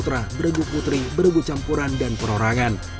terdapat kategori bergu putra bergu putri bergu campuran dan perorangan